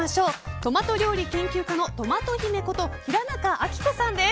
トマト料理研究家のトマト姫こと平仲亜貴子さんです。